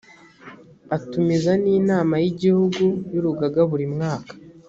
atumiza n’inama y’igihugu y’urugaga buri mwaka